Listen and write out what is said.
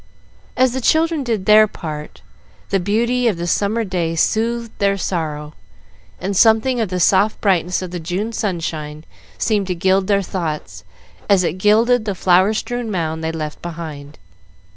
As the children did their part, the beauty of the summer day soothed their sorrow, and something of the soft brightness of the June sunshine seemed to gild their thoughts, as it gilded the flower strewn mound they left behind.